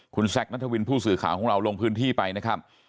คุณแซคนัทวินผู้สื่อข่าวของเราลงพื้นที่ไปนะครับ